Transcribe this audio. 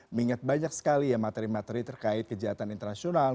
mengingat banyak sekali ya materi materi terkait kejahatan internasional